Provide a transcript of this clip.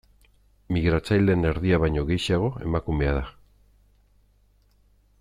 Migratzaileen erdia baino gehixeago emakumea da.